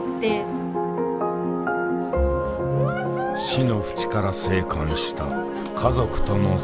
死のふちから生還した家族との再会。